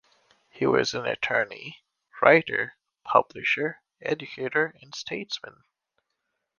He was an attorney, writer, publisher, educator, and statesman.